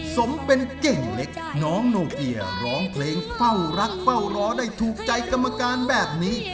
สมเป็นเก่งเล็กน้องโนเกียร้องเพลงเฝ้ารักเฝ้ารอได้ถูกใจกรรมการแบบนี้